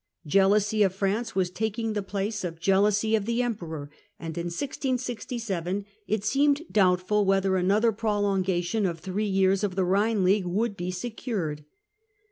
Jealousy of France was taking the place of jealousy of the Emperor, and in 1667 it seemed doubtful whether another pro longation of three years of the Rhine League would be secured.